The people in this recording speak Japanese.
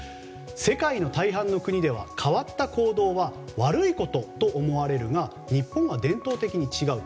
世界の大半の国では変わった行動は悪いことと思われるが日本は伝統的に違う。